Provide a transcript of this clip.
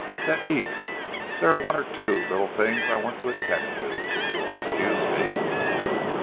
"Then eat! There are one or two little things I want to attend to, if you will excuse me."